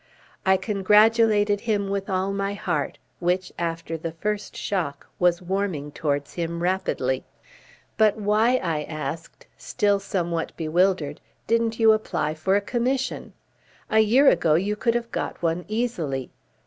I congratulated him with all my heart, which, after the first shock, was warming towards him rapidly. "But why," I asked, still somewhat bewildered, "didn't you apply for a commission? A year ago you could have got one easily.